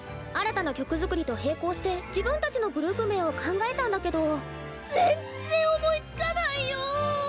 新たな曲作りと並行して自分たちのグループ名を考えたんだけどぜんっぜん思いつかないよ！